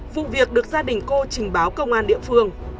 vụ việc được gia đình cô trình báo công an địa phương